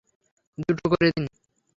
দুটা করে দিন।